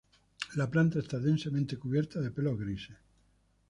La planta está densamente cubierta de pelos grises.